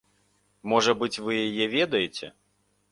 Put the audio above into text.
Можа быць, вы яе ведаеце?